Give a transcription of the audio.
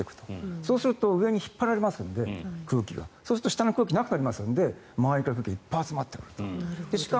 そうすると空気が上に引っ張られるのでそうすると下の空気がなくなりますので周りから空気がいっぱい集まってくると。